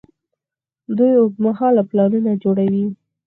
دوی اوږدمهاله پلانونه جوړوي.